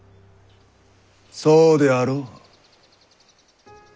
そうであろう？